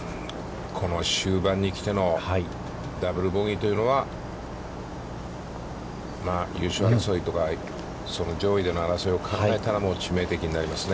この終盤にきてのダブル・ボギーというのは優勝争いとか上位での争いを考えたら、致命的にになりますよね。